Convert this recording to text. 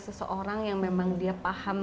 seseorang yang memang dia paham